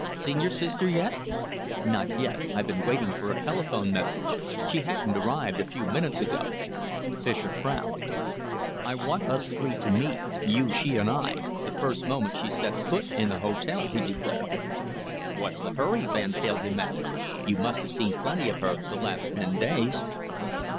Seen your sister yet?" "Not yet. I've been waiting about for a telephone message. She hadn't arrived, a few minutes ago." Fischer frowned. "I want us three to meet you and she and I the first moment she sets foot in the hotel," he declared. "What's the hurry?" Van Teyl demanded. "You must have seen plenty of her the last ten days."